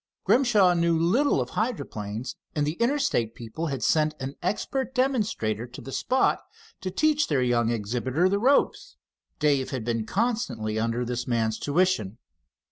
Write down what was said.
Grimshaw knew little of hydroplanes, and the Interstate people had sent an expert demonstrator to the spot to teach their young exhibitor the ropes. Dave had been constantly under this man's tuition.